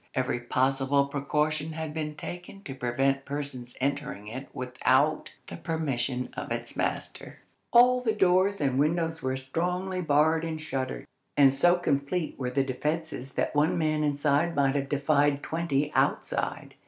Every possible precaution had been taken to prevent persons entering it without the permission of its master. All the doors and windows were strongly barred and shuttered, and so complete were the defences that one man inside might have defied twenty outside.